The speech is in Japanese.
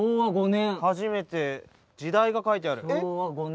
初めて時代が書いてある「昭和五年」